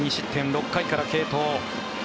６回から継投。